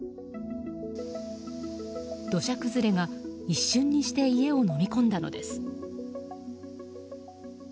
土砂崩れが一瞬にして家をのみ込んだのです。